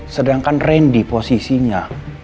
sedangkan randy posisinya